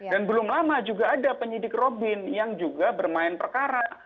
dan belum lama juga ada penyidik robin yang juga bermain perkara